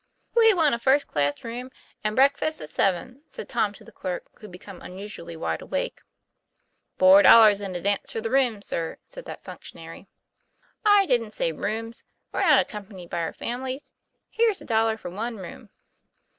4 We want a first class room, and breakfast at TOM PLA YFAIR. 143 seven," said Tom to the clerk, who had become un usually wide awake. " Four dollars in advance for the rooms, sir," said that functionary. "I didn't say rooms. We're not accompanied by our families. Here's a dollar for one room."